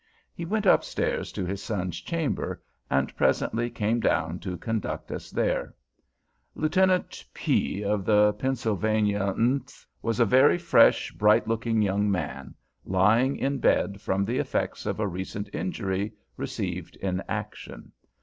He went up stairs to his son's chamber, and presently came down to conduct us there. Lieutenant P________, of the Pennsylvania __th, was a very fresh, bright looking young man, lying in bed from the effects of a recent injury received in action.